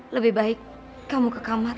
lebih baik kamu ke kamar